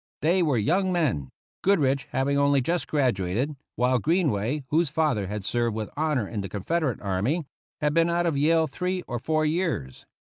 They were young men, Good rich having only just graduated; while Green way, whose father had served with honor in the Confederate Army, had been out of Yale three or four years.